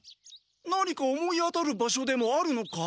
何か思い当たる場所でもあるのか？